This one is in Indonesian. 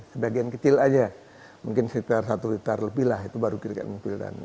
sebagian kecil saja mungkin satu hektare lebih itu baru di cat and fill